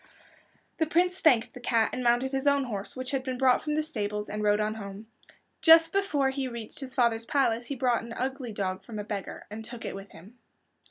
The Prince thanked the cat, and mounted his own horse, which had been brought from the stables, and rode on home. Just before he reached his father's palace he bought an ugly dog from a beggar, and took it with him.